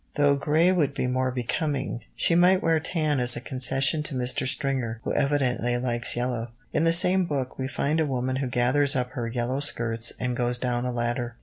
Though grey would be more becoming, she might wear tan as a concession to Mr. Stringer, who evidently likes yellow. In the same book, we find a woman who gathers up her "yellow skirts" and goes down a ladder.